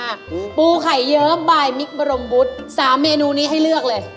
ปูไข่เยิ้มบายมิกบรมบุตรสามเมนูนี้ให้เลือกเลย